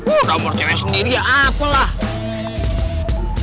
udah nomor kita sendiri ya apalah